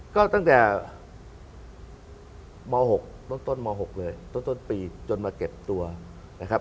ก็ตั้งแต่หมอหกต้นต้นหมอหกเลยต้นต้นปีจนมาเก็บตัวนะครับ